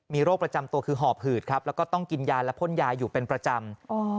มีโรคประจำตัวคือหอบหืดครับแล้วก็ต้องกินยาและพ่นยาอยู่เป็นประจำ